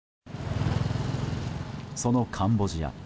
そのカンボジア。